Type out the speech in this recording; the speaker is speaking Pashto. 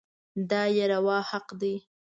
دا يې روا حق دی.